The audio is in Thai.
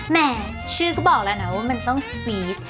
แม่ชื่อก็บอกแล้วนะว่ามันต้องสปีด